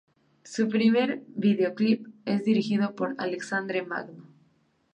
Su primer video clip es dirigido por Alexandre Magno.